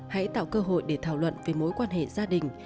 hãy tạo cơ hội để thảo luận về mối quan hệ gia đình